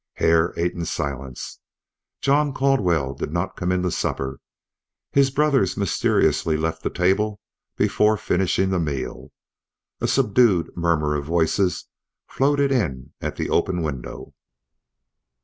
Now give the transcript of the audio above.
Hare ate in silence. John Caldwell did not come in to supper; his brothers mysteriously left the table before finishing the meal. A subdued murmur of voices floated in at the open window.